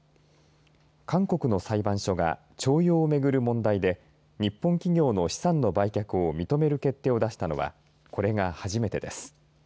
韓国の裁判所が徴用を巡る問題で日本企業の資産の売却を認める決定を出したのはこれが初めてです。